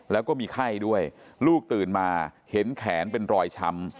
แล้วก็มีไข้ด้วยลูกตื่นมาเห็นแขนเป็นรอยช้ำ